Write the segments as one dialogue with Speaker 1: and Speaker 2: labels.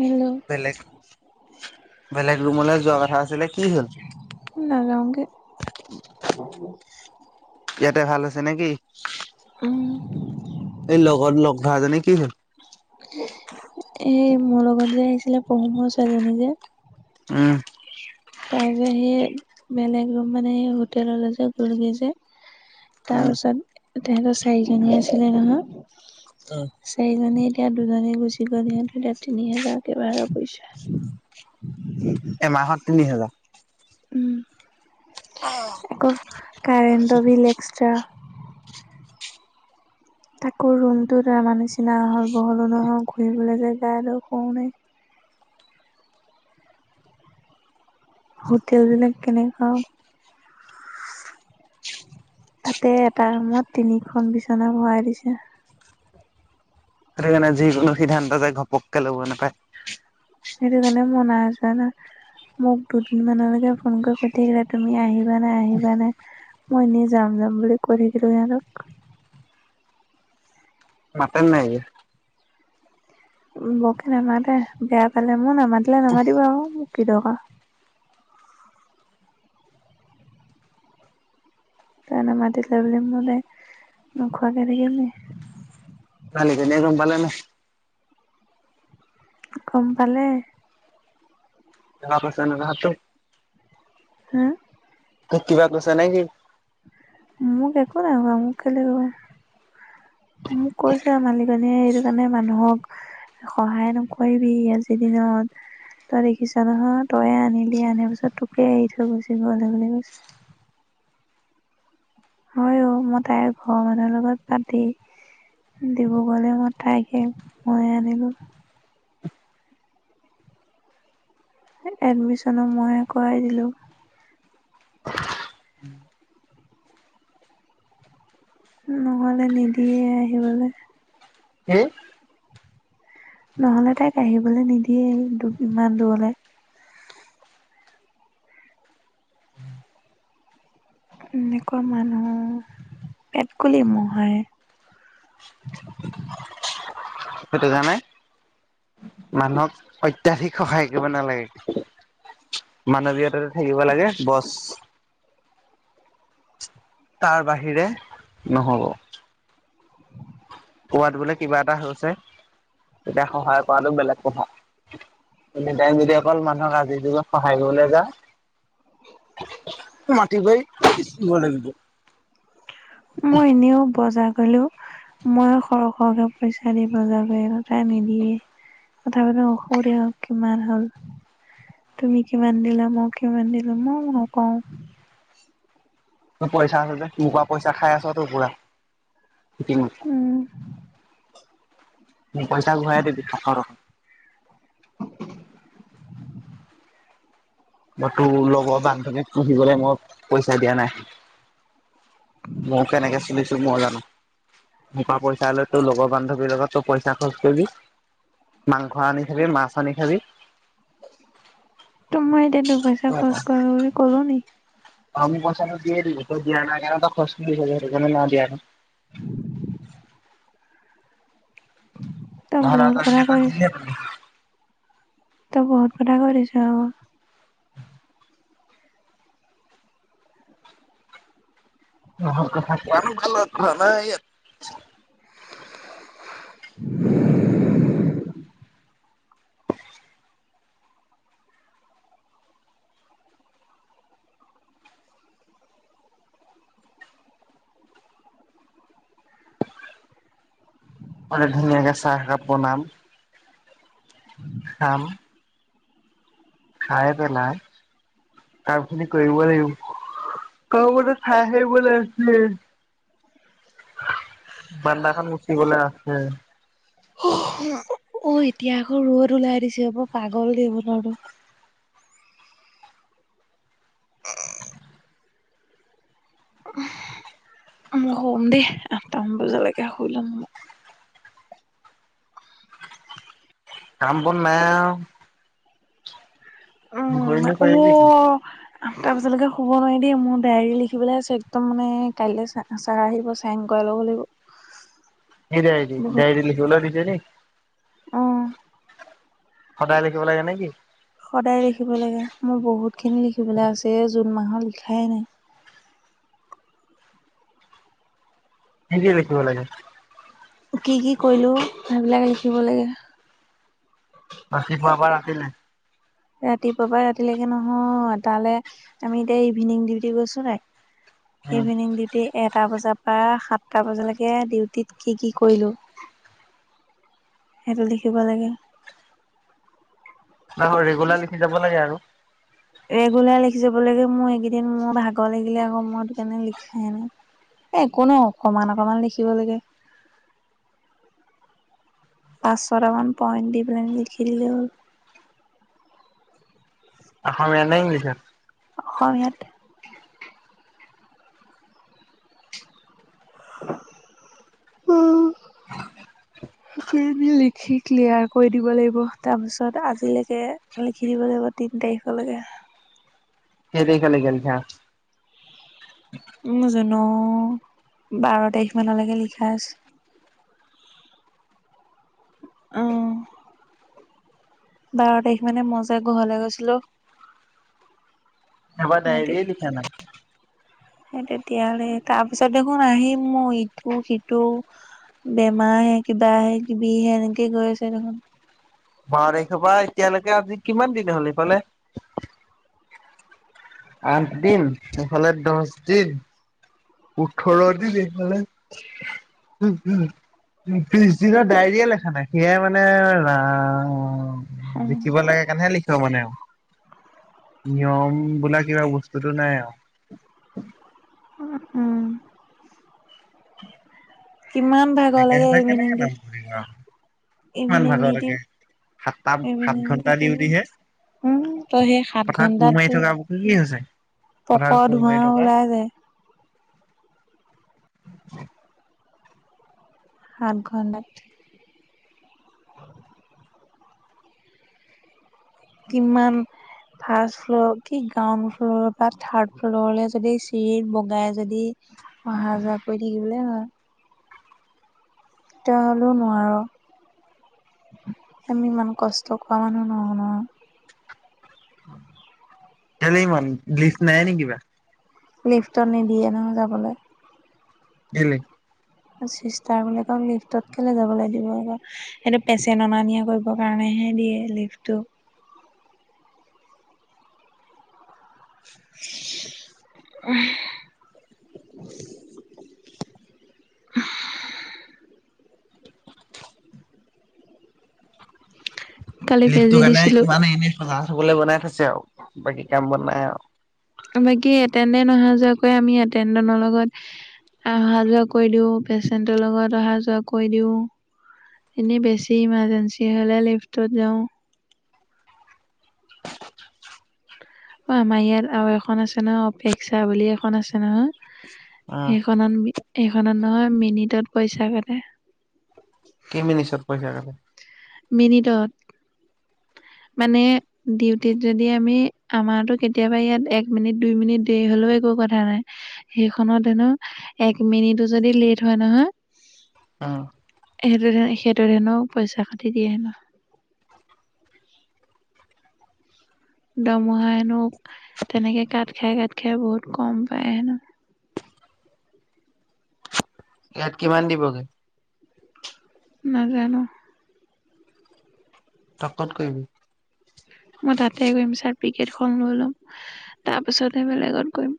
Speaker 1: Hello
Speaker 2: বেলেগ বেলেগ ৰুমলে যোৱা কথা আছিলে কি হ'ল?
Speaker 1: নাজাওঁগে।
Speaker 2: ইয়াতে ভাল হৈছে নে কি?
Speaker 1: উম'
Speaker 2: এই লগত লগ ধৰা জনি কি হল?
Speaker 1: এই মোৰ লগত যে আহিছিলে পহুমৰ ছোৱালীজনী যে-
Speaker 2: উম'
Speaker 1: তাই যে সেই বেলেগ ৰুম মানে সেই হোটেললে যে গলগে যে-
Speaker 2: উম
Speaker 1: তাপাছত তেহেঁতৰ চাৰিজনী আছিলে ৰুমোট- চাৰিজনীৰ এতিয়া দুজনী গুচি গ'ল সিহঁত এতিয়া তিনি হাজাৰকে ভাড়া পৰিছে। [unintelligible]
Speaker 2: এ মাহত তিনি হেজা।
Speaker 1: উম'
Speaker 2: অঁ'
Speaker 1: কৌ কাৰেণ্ট বিল এক্সট্ৰা। তাকো ৰুমটো আমাৰ নিচিনা আহল বহলো নহয় ঘূৰিবলে জেগা এদখৰো নাই। হোটেলবিলাক কেনেকা? তাতে এটা ৰুমত তিনিখন বিচনা ভৰাই দিছে।
Speaker 2: সেইকাৰণে যিকোনো সিদ্ধান্ত যে ঘপকে ল'ব নাপায়।
Speaker 1: সেইটো কাৰণে ময় নাই যোৱা ন। মোক দুদিন মানৰ আগতে ফোন কৰি সুধি থাকিলে তুমি আহিবা নাই আহিবা নাই। মই এনেই যাম যাম বুলি কৈ থাকিলোঁ সিহঁতক।
Speaker 2: মাতে নে নাই এতিয়া।
Speaker 1: বকে নামাতে বেয়া পালে মোক নামাতিলে নামাতিব আক মোৰ কি দৰকা। তাই নামাতিলে বুলি ময় এতিয়া নোখোৱাকে থাকিম নি।
Speaker 2: ছোৱালীজনীয়ে গম পালে নাই?
Speaker 1: গম পালে।
Speaker 2: [unintelligible]
Speaker 1: হুম?
Speaker 2: তোক কিবা কৈছে নে কি?
Speaker 1: মোক একো নাই কোৱা মোক কেলে ক'ব। মোক কৈছে আও মালিকনীয়ে এইটো কাৰণে মানুহক- সহায় নকৰিবি আজিৰ দিনত। তই দেখিছ নহয় তয়ে আনিলি আনা পিছত তোকে এৰি থৈ গুচি গ'ল সেই বুলি কৈছে। হয় অও, মই তাইৰ ঘৰৰ মানুহৰ লগত পাতি- ডিব্ৰুগড়লে ময় তাইকে ময়ে আনিলো। এডমিশনো মইয়ে কৰাই দিলোঁ। নহ'লে নিদিয়ে আহিবলে।
Speaker 2: কি?
Speaker 1: নহ'লে তাইক আহিবলে নিদিয়েই ইমান দূৰলে। এনেকুৱা মানুহ পেটকুলি মোহয়।
Speaker 2: সেইটো কাৰণে। মানুহক অত্যাধিক সহায় কৰিব নালাগে। মানৱীয়তাতো থাকিব লাগে বছ। তাৰ বাহিৰে নহ'ব। ক'ৰবাত বোলে কিবা এটা হৈছে তেতিয়া সহায় কৰাটো বেলেগ কথা। এনি টাইম যদি অকল মানুহক আজিৰ যুগত সহায় কৰিবলৈ যাৱ। মাটি বাৰি বেছিব লাগিব।
Speaker 1: মই এনেও বজাৰ কৰিলেও। মই সৰ সৰকে পইচা দি বজাৰ কৰি আনো তাই নিদিয়েই। কথাবিলাক নেসোধেও কিমান হ'ল। তুমি কিমান দিলা মই দিলো মই নকওঁ
Speaker 2: পইচা আছে যে তোৰ পৰা পইচা খাই আছ তোৰ পুৰা। পিঠিত আকৌ,
Speaker 1: উম
Speaker 2: মোৰ পইচা ঘূৰাই দিব ছশটো। মই তোৰ লগৰ বান্ধৱীক পুহিবলৈ মই পইচা দিয়া নাই। মই কেনেকে চলিছো মই জানো। মোৰ পৰা পইচা লৈ তোৰ লগৰ বান্ধৱীৰ লগত তই পইচা খৰচ কৰিবি। মাংস আনি খাবি, মাছ আনি খাবি।
Speaker 1: তো মই এতিয়া তোৰ পইচা খৰচ কৰোঁ বুলি ক'লো নি?
Speaker 2: অ' মোৰ প‌ইচা ত‌ই দিয়ে দিবি। তই দিয়া নাই কাৰণে খৰচ দিয় সেইটো কাৰণে নাই দিয়া আকৌ।
Speaker 1: [unintelligible] তই
Speaker 2: নহয়
Speaker 1: বহুত কথা কৈ দিছ
Speaker 2: নহয়।
Speaker 1: তই বহুত কথা কৈ দিছোঁ আকৌ।
Speaker 2: [unintelligible]
Speaker 1: [unintelligible]
Speaker 2: মানে ধুনীয়াকে চাহ একাপ বনাম। খাম। খাই পেলাই। কাম খিনি কৰিব লাগিব। [unintelligible] বাৰাণ্ডাখন মুচিবলে আছে।
Speaker 1: অ' এতিয়া আকৌ ৰ'দ ওলাই দিছে পাগল দে বতৰটো। মই শুম দেই আঠটামান বজালৈকে শুই ল'ম ম‌ই।
Speaker 2: কাম বন নাই আও।
Speaker 1: উম,
Speaker 2: নকৰিনো কৰিবি কি?
Speaker 1: ৱ। আঠটা বজালৈকে শুব নোৱাৰি দেই। মোৰ ডায়েৰী লিখিবলৈ আছে একদম মানে কাইলৈ চা ছাৰ আহিব যে। চাইন কৰাই ল'ব লাগিব।
Speaker 2: এই ডায়েৰী,
Speaker 1: বহুত
Speaker 2: ডায়েৰী লিখিবলেও‌ দিছে নি?
Speaker 1: অ'
Speaker 2: সদায় লিখিব লাগে নে কি?
Speaker 1: সদায় লিখিব লাগে। মোৰ বহুতখিনি লিখিবলৈ আছে জুন মাহত লিখাই নাই।
Speaker 2: কি কি লেখিব লাগে।
Speaker 1: কি কি কৰিলোঁ। সেইবিলাক লিখিব লাগে।
Speaker 2: ৰাতিপুৱাৰ পৰা ৰাতিলে।
Speaker 1: ৰাতিপুৱা পৰা ৰাতিলৈকে নহয়। তালৈ আমি এতিয়া ইভিনিং ডিউটি গৈছো নাই।
Speaker 2: উম।
Speaker 1: Evening duty. ৰাণা এটা বজাৰ পৰা সাতটা বজালৈকে ডিউটিত কি কি কৰিলোঁ। হেইটো লেখিব লাগে।
Speaker 2: হয়, হয়, ৰেগুলাৰ লিখি জাব লাগে আকৌ।
Speaker 1: ৰেগুলাৰ লিখি যাব লাগে মোৰ এইকেইদিন মোৰ ভাগৰ লাগিলে আকৌ মই সেইকাৰণে লিখাই নাই। এই একো নহয় অকণমান অকণমান লিখিব লাগে। পাঁচ ছটামান পইণ্ট দি পেলাই লিখি দিলে হ'ল।
Speaker 2: অসমীয়াত নে ইংলিছত?
Speaker 1: অসমীয়াত। উম।
Speaker 2: [inaudible]
Speaker 1: [inaudible] [unintelligible] লিখি ক্লিয়াৰ কৰি দিব লাগিব তাৰ পিছত আজিলৈকে লিখি দিব লাগিব। তিন তাৰিখলৈকে।
Speaker 2: কেই তাৰিখলৈকে লিখা?
Speaker 1: নাজানো, বাৰ তাৰিখ মানলৈকে লিখা আছে।
Speaker 2: [inaudible]
Speaker 1: অ'। বাৰ তাৰিখ মানে মই যে ঘৰলৈ গৈছিলো।
Speaker 2: এইবা
Speaker 1: সিহঁতি
Speaker 2: ডাইৰিয়ে লিখা নাই।
Speaker 1: সেই তেতিয়ালে তাৰপিছত দেখোন আহি মোৰ ইটো-সিটো বেমাৰ হে কিবা হে কিবি হে এনেকেই গৈ আছে দেখোন।
Speaker 2: বাৰ তাৰিখৰ পৰা এতিয়ালৈকে আজি কিমান দিন হ'ল? ইফালে আঠ দিন ইফালে দহ দিন। উঠৰৰ দিন এইফালে [unintelligible] ত্ৰিৰিচ দিনৰ ডাইৰিয়ে লেখা নাই সেয়াই মানে ৰাম।
Speaker 1: উম
Speaker 2: লিখিব লাগে কাৰনেহে লিখি খ মানে আৰু নিয়ম বোলা কিবা বস্তুতটো নাই আৰু।
Speaker 1: উম। কিমান ভাগৰ
Speaker 2: এনেকে
Speaker 1: লাগে
Speaker 2: হলে
Speaker 1: ইভিনিং
Speaker 2: কেনেকে
Speaker 1: দি
Speaker 2: নাম ভৰিব আৰু কিমান
Speaker 1: ইভিনিং
Speaker 2: ভাগলৈকে সাতটা
Speaker 1: ডিউটিত।
Speaker 2: সাত
Speaker 1: ইভিনিং
Speaker 2: ঘন্টা
Speaker 1: ডিউটি কৰি।
Speaker 2: ডিউটিহে
Speaker 1: উম, তই সেই সাত
Speaker 2: পথাৰত কোৰ মাৰি
Speaker 1: ঘন্টাতটো
Speaker 2: থকা কি হৈছে পথাৰত
Speaker 1: পকৰ
Speaker 2: কোৰ
Speaker 1: ধোৱা
Speaker 2: মাৰি থকা
Speaker 1: ওলাই যায়।
Speaker 2: [inaudible]
Speaker 1: সাত ঘন্টাত। [inaudible] কিমান ফাৰ্ষ্ট ফ্ল'ৰ কি গ্ৰাউণ্ড ফ্ল'ৰ পা থাৰ্ড ফ্ল'ৰলৈ যদি চিৰিত বগাই যদি অহা যোৱা কৰি থাকিবলৈ হয়। তই হ'লেও নোৱাৰ, আমি ইমান কষ্ট কৰা মানুহ নহয় নহয়।
Speaker 2: কেলে ইমান লিফ্ট নাই নে কিবা?
Speaker 1: লিফ্টত নিদিয়ে নহয় যাবলৈ।
Speaker 2: কেলে?
Speaker 1: চিষ্টাৰ বিলাকক লিফ্টত কেলে যাবলৈ দিব আকৌ? সেইটো পেচেণ্ট অনা নিয়া কৰিবৰ কাৰণেহে দিয়ে লিফ্টো। উম। কালি বেজি
Speaker 2: লিফ্টো
Speaker 1: দিছিলো
Speaker 2: কৰণেইমান এনেই সজাই থ'বলে বনাই থৈছে আৰু বাকী কাম বন নাই আৰু।
Speaker 1: বাকি এটেন্দেন্ত অহা যোৱা কৰে আমি এতেন্দেন্তৰ লগত অহা যোৱা কৰি দিওঁ, পেচেণ্টৰ লগত অহা যোৱা কৰি দিওঁ। এনেই বেছি ইমাৰজেঞ্চি হ'লে লিফ্টট যাওঁ। অ' আমাৰ ইয়াত আৰু এখন আছে নহয়। অপেক্ষা বুলি এখন আছে নহয়।
Speaker 2: উম
Speaker 1: সে খনত সেইখনত নহয় মিনিটত পইচা কাটে।
Speaker 2: কে মিনিটত পইচা কাটে?
Speaker 1: মিনিটত, মানে ডিউটিত যদি আমি আমাৰটো কেতিয়াবা ইয়াত এক মিনিট, দুই মিনিট দেৰি হ'লেও একো কথা নাই। সেইখনত হেনো এক মিনিটো যদি লেট হয় নহয়।
Speaker 2: অ'।
Speaker 1: সেইটোত সেইটোত হেনো পইচা কাটি দিয়ে হেনো। দৰমহা হেনো তেনেকে কাট খাই, কাট খাই বহুত কম পায় হেনো।
Speaker 2: ইয়াত কিমান দিবগে?
Speaker 1: নাজানো।
Speaker 2: তই ক'ত কৰিবি?
Speaker 1: মই তাতে কৰিম ছাৰ্টিফিকেটখন লৈ লওঁ, তাৰ পিছতে বেলেগত কৰিম।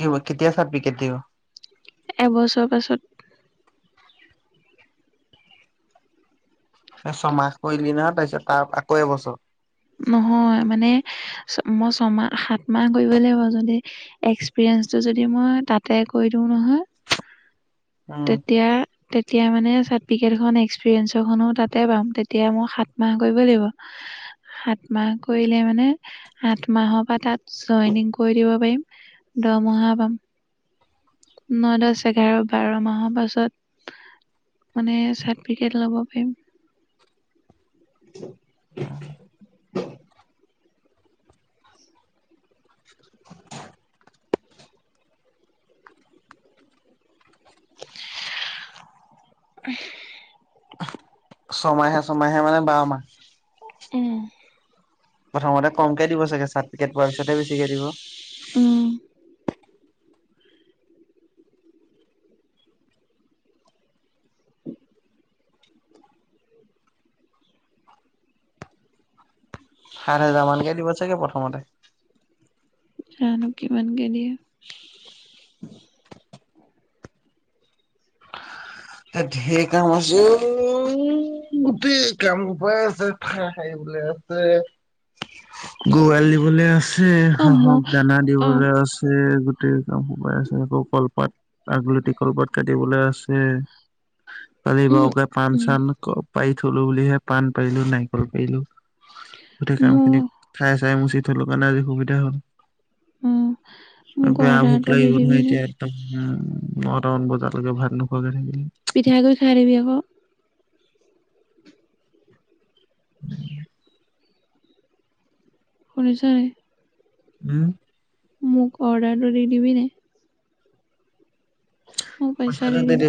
Speaker 2: কে কেতিয়া ছাৰ্টিফিকেট দিব?
Speaker 1: এবছৰ পাছত।
Speaker 2: ছমাহ কৰিলি নহয়, তাৰপিছত তাত আকৌ এবছৰ?
Speaker 1: নহয় মানে, মই ছমাহ, সাত মাহ কৰিব লাগিব, যদি এক্সপিৰিয়েঞ্চটো যদি মই তাতে কৰি দিওঁ নহয়।
Speaker 2: [unintelligible]
Speaker 1: তেতিয়া তেতিয়া মানে ছাৰ্টিফিকেটখন এক্সপিৰিয়েঞ্চৰ খনো তাতে পাম, তেতিয়া মই সাত মাহ কৰিব লাগিব। সাত মাহ কৰিলে মানে, আঠ মাহৰ পা তাত জইনিং কৰি দিব পাৰিম। দৰমহা পাম। ন', দহ, এঘাৰ, বাৰ মাহৰ পাছত মানে চাৰ্টিফিকেট ল'ব পাৰিম।
Speaker 2: উম'।
Speaker 1: [unintelligible]
Speaker 2: ছমাহে, ছমাহে মানে বাৰ মাহ?
Speaker 1: উম।
Speaker 2: প্ৰথমতে কমকে দিব চাগে, চাৰ্টিফিকেট পোৱাৰ পিছতে বেছিকে দিব?
Speaker 1: উম'।
Speaker 2: সাত হেজাৰ মানকে দিব চাগে প্ৰথমতে?
Speaker 1: জানো কিমানকে দিয়ে।
Speaker 2: এ' ঢেৰ কাম আছে অ', গোটেই কাম সোপাই আছে। সাৰিবলে আছে, গৰু এৰালি দিবলে আছে। ঢেৰ
Speaker 1: অ মোৰ
Speaker 2: হাঁহক দানা
Speaker 1: অ
Speaker 2: দিবলে আছে, গোটেই কাম সোপাই আছে। আকৌ কলপাত আগলতি কলপাত কাটিবলে আছে। কালি
Speaker 1: উম
Speaker 2: বাৰুকে পাণ
Speaker 1: উম
Speaker 2: চান পাৰি থ'লো বুলিহে, পাণ পাৰিলো, নাৰিকল পাৰিলো। গোটেই কাম
Speaker 1: মোৰ
Speaker 2: খিনি, ঠাই চাই মুচি থ'লো কাৰণে আজি সুবিধা হ'ল।
Speaker 1: অ মোক
Speaker 2: বেয়া ভোক
Speaker 1: অৰ্ডাৰটো দি
Speaker 2: লাগিব
Speaker 1: দিবি
Speaker 2: নহয়
Speaker 1: নে
Speaker 2: এতিয়া ইয়াত। নটামান বজালৈকে ভাত নোখোৱাকে থাকিলে।
Speaker 1: পিঠাগুৰি খাই দিবি আক।
Speaker 2: [unintelligible]
Speaker 1: শুনিছ নাই?
Speaker 2: উম'।
Speaker 1: মোক অৰ্ডাৰটো দি দিবি নে? মই পইচা দি দিম,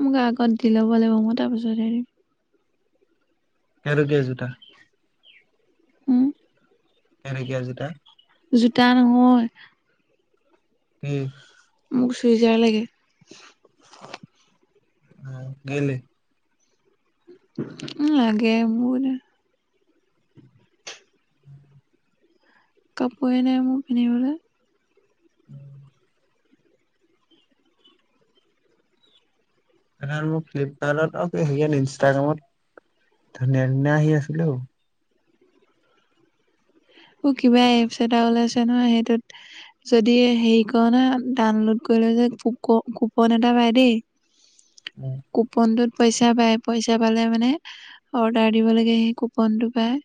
Speaker 1: মোক আগত দি ল'ব লাগিব মই তাৰপিছত দি দিম।
Speaker 2: কেই টকীয়া জোতা?
Speaker 1: উম।
Speaker 2: কেই টকীয়া জোতা?
Speaker 1: জোতা নহয়।
Speaker 2: কি?
Speaker 1: মোক চুইজাৰ লাগে।
Speaker 2: অ', কেইলে?
Speaker 1: উম, লাগে মোক এনেই।
Speaker 2: উম।
Speaker 1: কাপোৰে নাই মোৰ পিন্ধিবলৈ।
Speaker 2: উম। [unintelligible] মোৰ ফ্লিপকাৰ্টত হেৰি ইনষ্টাগ্ৰামত ধুনীয়া ধুনীয়া আহি আছিলো অ'।
Speaker 1: অ', কিবা এপছ এটা ওলাইছে নহয় সেইটোত যদি হেৰি কৰ ন ডাউনলোড কৰিলে যে কুপন এটা পাই দেই।
Speaker 2: উম।
Speaker 1: কুপনটোত পইচা পায় পইচা পালে মানে অৰ্ডাৰ দিব লাগে সেই কুপনটো পায়।